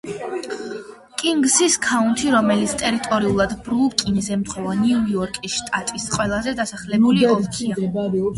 კინგსის ქაუნთი, რომელიც ტერიტორიულად ბრუკლინს ემთხვევა ნიუ-იორკის შტატის ყველაზე დასახლებული ოლქია.